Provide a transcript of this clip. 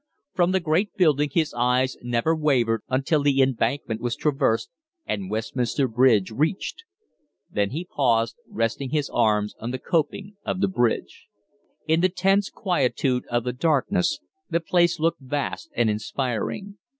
From the great building his eyes never wavered until the Embankment was traversed and Westminster Bridge reached. Then he paused, resting his arms on the coping of the bridge. In the tense quietude of the darkness the place looked vast and inspiring.